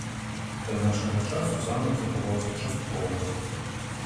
Да нашага часу замак захаваўся часткова.